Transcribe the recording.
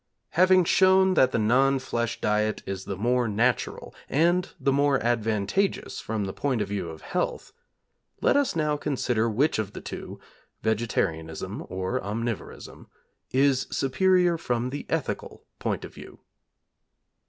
Having shown that the non flesh diet is the more natural, and the more advantageous from the point of view of health, let us now consider which of the two vegetarianism or omnivorism is superior from the ethical point of view.